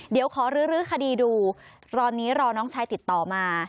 เดี๋ยวขอรื้อคดีดูตอนนี้รอน้องชายติดต่อมา